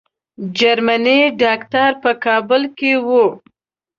جرمني ډاکټر په کابل کې وو.